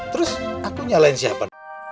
terus aku nyalain siapa